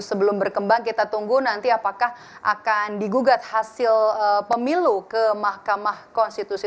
sebelum berkembang kita tunggu nanti apakah akan digugat hasil pemilu ke mahkamah konstitusi